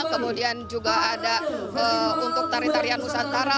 kemudian juga ada untuk tarian tarian nusantara